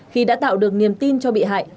khi đã tạo được niềm tin cho bị hại